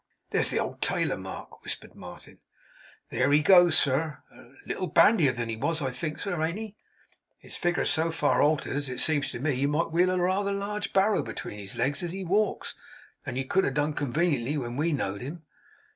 'There's the old tailor, Mark!' whispered Martin. 'There he goes, sir! A little bandier than he was, I think, sir, ain't he? His figure's so far altered, as it seems to me, that you might wheel a rather larger barrow between his legs as he walks, than you could have done conveniently when we know'd him.